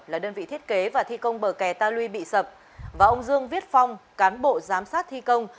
là đơn vị thiết kế và thi công bờ kè ta lui bị sập và ông dương viết phong cán bộ giám sát thi công